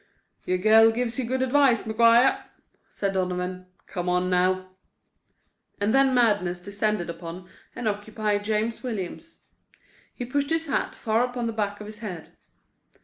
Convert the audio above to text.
"Your girl gives you good advice, McGuire," said Donovan. "Come on, now." And then madness descended upon and occupied James Williams. He pushed his hat far upon the back of his head.